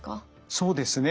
そうですね。